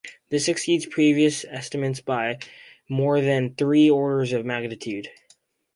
This exceeds previous estimates by more than three orders of magnitude.